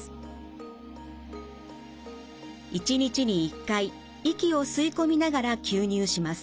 １日に１回息を吸い込みながら吸入します。